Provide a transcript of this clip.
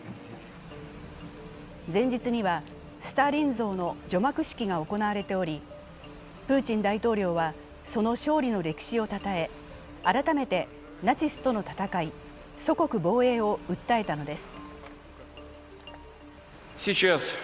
前日にはスターリン像の除幕式が行われており、プーチン大統領は、その勝利の歴史をたたえ、改めてナチスとの戦い、祖国防衛を訴えたのです。